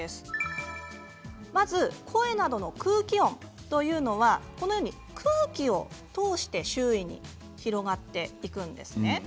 まず声などの空気音というのは空気を通して周囲に広がっていくんですね。